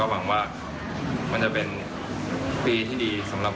แล้วก็ความฝันผมเป็นจริง